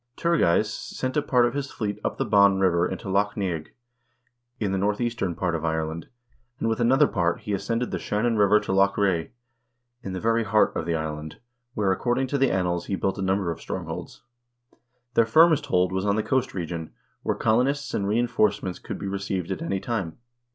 Tur geis sent a part of his fleet up the Bann River into Loch Neagh, in the northeastern part of Ireland, and with another part he ascended the Shannon River to Loch Ree, in the very heart of the island, where, according to the annals, he built a number of strongholds. Their firmest hold was on the coast region, where colonists and reinforce ments could be received at any time.